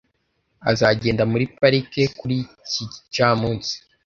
Azagenda muri parike kuri iki gicamunsi.